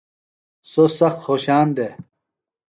سوۡ سخت خوشان دےۡ۔